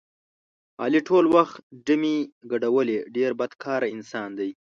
علي ټول وخت ډمې ګډولې ډېر بدکاره انسان دی.